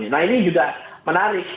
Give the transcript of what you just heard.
nah ini juga menarik